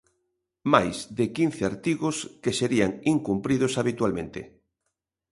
Máis de quince artigos que serían incumpridos habitualmente.